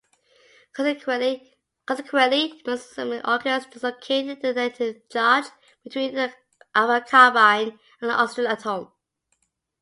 Consequently, mesomerism occurs, dislocating the negative charge between the alpha-carbon and the oxygen atom.